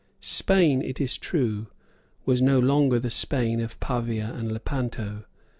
Spain, it is true, was no longer the Spain of Pavia and Lepanto.